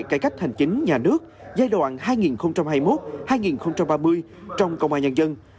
cải cách hành chính nhà nước giai đoạn hai nghìn hai mươi một hai nghìn ba mươi trong công an nhân dân